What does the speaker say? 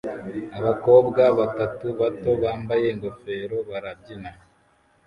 Abakobwa batatu bato bambaye ingofero barabyina